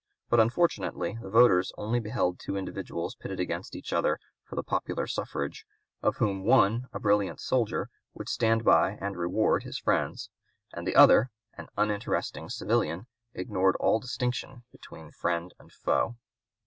But unfortunately the voters only beheld two individuals pitted against each other for the popular suffrage, of whom one, a brilliant soldier, would stand by and reward his friends, and the other, an uninteresting civilian, ignored all distinction between friend and foe.